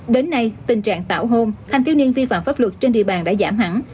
đến nay tình trạng tảo hôn thanh thiếu niên vi phạm pháp luật trên địa bàn đã giảm hẳn